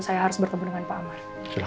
saya harus bertemu dengan pak amar